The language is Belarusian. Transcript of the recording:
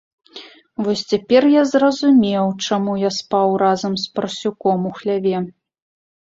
Вось цяпер я зразумеў, чаму я спаў разам з парсюком у хляве.